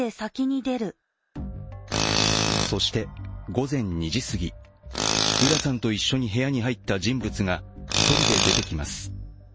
そして午前２時すぎ、浦さんと一緒に部屋に入った人物が１人で出てきます。